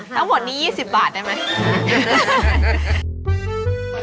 ทั้งหมดนี้๒๐บาทได้ไหม